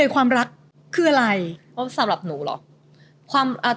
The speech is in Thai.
ความรัก